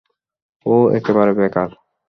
ও একেবারে বেকার।